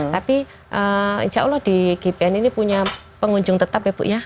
tapi insya allah di gpn ini punya pengunjung tetap ya bu ya